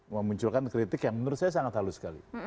memunculkan kritik yang menurut saya sangat halus sekali